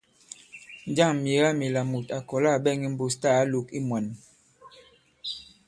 Njâŋ myèga mila mùt à kɔ̀la à ɓɛŋ imbūs tâ ǎ lōk i mwān ?